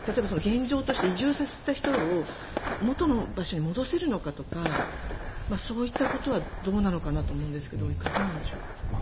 現状として移住させた人を元の場所に戻せるのかとかそういったことはどうなのかなと思うんですがいかがなんでしょうか。